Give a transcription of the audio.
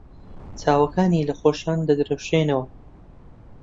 چاوەکانی لە خۆشییان دەدرەوشێنەوە.